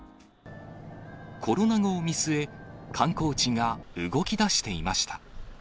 コロナ後を見据え、観光地が動きだしていました。